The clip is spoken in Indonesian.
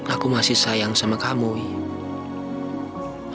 aku masih sayang sama kamu ya